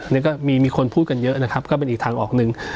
นี่ก็มีคนพูดกันเยอะนะครับก็เป็นอีกทางออกหนึ่ง